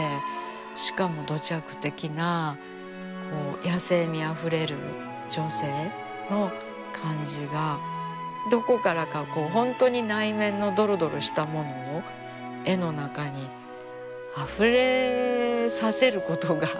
しかも土着的なこう野性味あふれる女性の感じがどこからかこう本当に内面のどろどろしたものを絵の中にあふれさせることがすごいなあ。